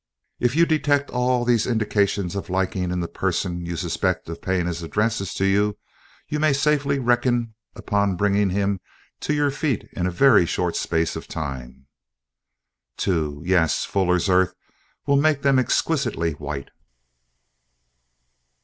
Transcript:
'If you detect all these indications of liking in the person you suspect of paying his addresses to you, you may safely reckon upon bringing him to your feet in a very short space of time. (2) Yes, fuller's earth will make them exquisitely white.'"